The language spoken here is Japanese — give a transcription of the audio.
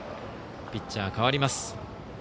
ピッチャー、代わります。